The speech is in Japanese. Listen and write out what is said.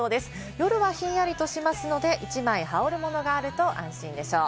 夜はひんやりとしますので、１枚、羽織るものがあると安心でしょう。